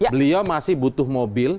beliau masih butuh mobil